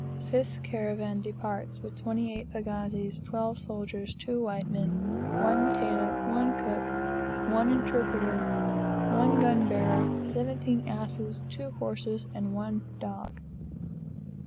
Fifth caravan departs with twenty eight pagazis, twelve soldiers, two white men, one tailor, one cook, one interpreter, one gun bearer, seventeen asses, two horses, and one dog.